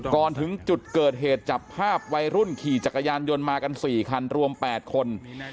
ก่อนถึงจุดเกิดเหตุจับภาพวัยรุ่นขี่จักรยานยนต์มากัน๔คันรวม๘คน